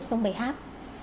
sông bày háp